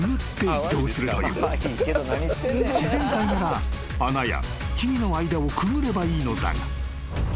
［自然界なら穴や木々の間をくぐればいいのだが］